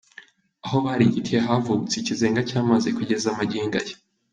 Aho barigitiye havubutse ikizenga cy’amazi kugeza magingo aya.